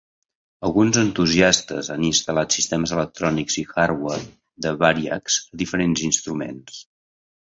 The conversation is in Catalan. Alguns entusiastes han instal·lat sistemes electrònics i hardware de Variax a diferents instruments.